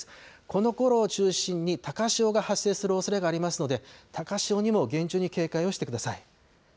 このころを中心に、高潮が発生するおそれがありますので、高潮にも厳重に警戒をしてください。